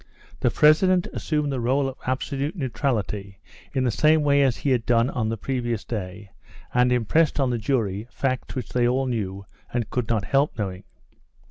The president assumed the role of absolute neutrality in the same way as he had done on the previous day, and impressed on the jury facts which they all knew and could not help knowing.